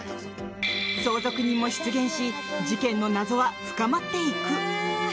相続人も出現し事件の謎は深まっていく。